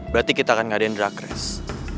berarti kita akan ngadain drag race